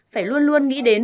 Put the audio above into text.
phải luôn luôn nghĩ đến